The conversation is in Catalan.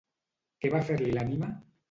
Què va fer-li l'ànima?